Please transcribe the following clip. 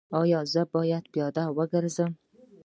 ایا زه باید پیاده وګرځم؟